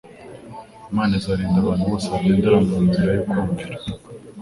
Imana izarinda abantu bose bagendera mu nzira yo kumvira;